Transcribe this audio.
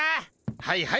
はいはい。